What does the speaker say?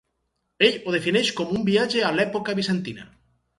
Ell ho defineix com ‘un viatge a l’època bizantina’.